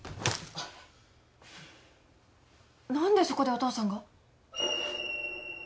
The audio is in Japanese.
何でそこでお父さんが？